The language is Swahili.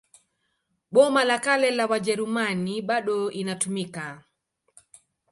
Boma la Kale la Wajerumani bado inatumika.